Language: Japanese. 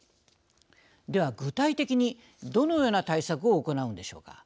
では、具体的にどのような対策を行うのでしょうか。